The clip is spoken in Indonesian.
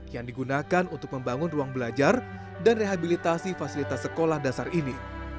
yang digunakan untuk membangun ruang belajar dan rehabilitasi fasilitas sekolah dasar ini